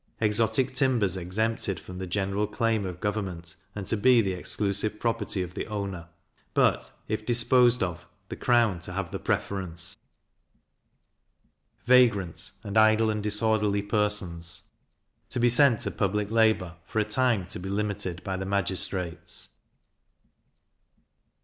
Exotic timbers exempted from the general claim of government, and to be the exclusive property of the owner; but, if disposed of, the crown to have the preference. Vagrants, and idle and disorderly Persons to be sent to public labour, for a time to be limited by the magistrates.